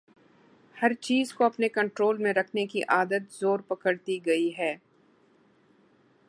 ہر چیز کو اپنے کنٹرول میں رکھنے کی عادت زور پکڑتی گئی ہے۔